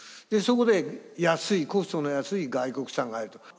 そこで安いコストの安い外国産が入ると。